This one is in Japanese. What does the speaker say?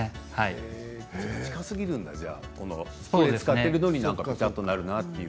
近すぎるんだ使ったのに、ぺちゃっとなるなと。